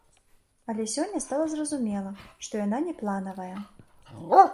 Але сёння стала зразумела, што яна не планавая.